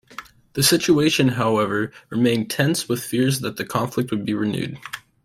The situation, however, remained tense with fears that the conflict would be renewed.